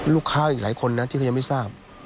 ลูกค้าอีกหลายคนนะที่เขายังไม่ทราบ